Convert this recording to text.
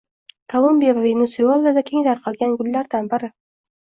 Kolumbiya va Venesuelada keng tarqalgan gullardan biri.